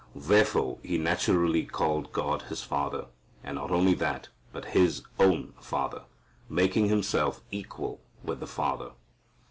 Therefore He naturally called God His Father, and not only that, but His own Father, making Himself equal with the Father.